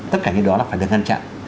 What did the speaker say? tất cả những đó là phải được ngăn chặn